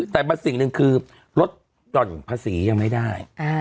แต่มันสิ่งหนึ่งคือลดภาษียังไม่ได้